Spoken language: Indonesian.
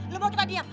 lo mau kita diam